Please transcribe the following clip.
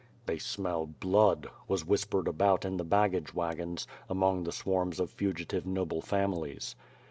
"They smell blood," was whispered about in the baggage wagons, among the swarms of fugitive noble families.